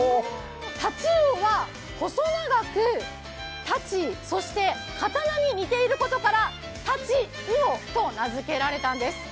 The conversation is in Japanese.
タチウオは細長く太刀、刀に似ていることからタチウオと名付けられたんです。